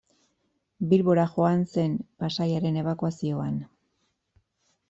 Bilbora joan zen Pasaiaren ebakuazioan.